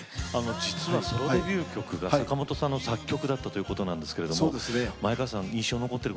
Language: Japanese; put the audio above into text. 実はソロデビュー曲が坂本さんの作曲だったということですけど前川さん印象に残ってることってありますか？